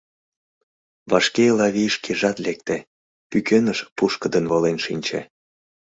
Вашке Элавий шкежат лекте, пӱкеныш пушкыдын волен шинче.